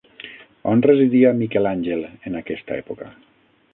On residia Miquel Àngel en aquesta època?